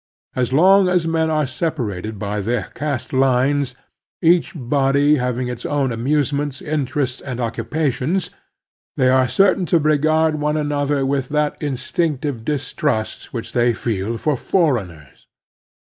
As long as men are separated by their caste lines, each body having its own amusements, interests, and occupations, they are certain to regard one another with that instinctive distrust which they fed for foreigners.